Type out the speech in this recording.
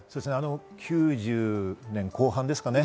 ９０年後半ですかね。